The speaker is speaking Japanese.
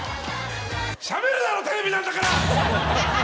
しゃべるだろテレビなんだから！